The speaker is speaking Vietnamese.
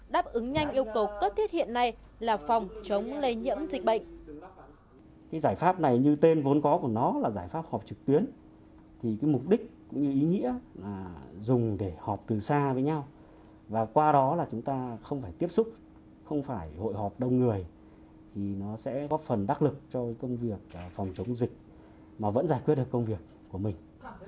đáp ứng nhanh yêu cầu cấp thiết hiện này là phòng chống lây nhiễm dịch bệnh